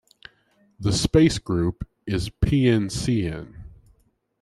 The space group is Pncn.